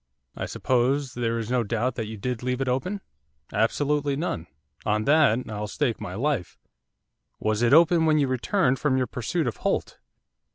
'I suppose there is no doubt that you did leave it open?' 'Absolutely none, on that I'll stake my life.' 'Was it open when you returned from your pursuit of Holt?